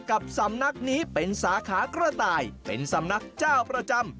กับสำนักนี้เป็นสาขากระต่ายเป็นสำนักเจ้าประจำ